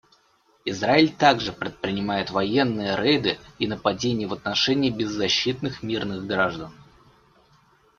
Израиль также предпринимает военные рейды и нападения в отношении беззащитных мирных граждан.